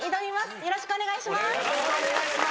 よろしくお願いします。